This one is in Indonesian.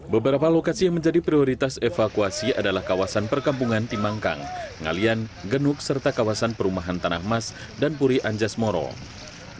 beberapa lokasi yang menjadi prioritas evakuasi adalah kawasan perkampungan timangkang ngalian genuk serta kawasan perumahan tanah mas dan puri anjas morowang